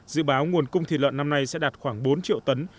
dự báo nguồn cung thịt lợn năm nay sẽ đạt khoảng bốn triệu tấn